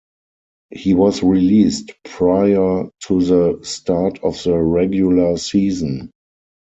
He was released prior to the start of the regular season.